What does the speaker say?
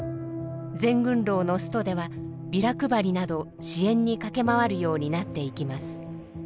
全軍労のストではビラ配りなど支援に駆け回るようになっていきます。